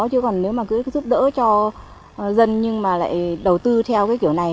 chứ còn nếu mà cứ giúp đỡ cho dân nhưng mà lại đầu tư theo cái kiểu này